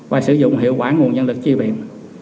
và sử dụng hiệu quả nguồn nhân lực chi viện